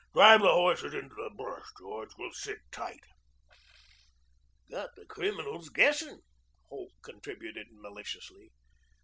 Drive the horses into the brush, George. We'll sit tight." "Got the criminals guessing," Holt contributed maliciously.